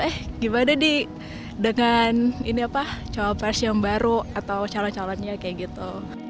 eh gimana nih dengan ini apa cawapres yang baru atau calon calonnya kayak gitu